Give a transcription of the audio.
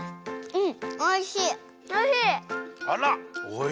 うん！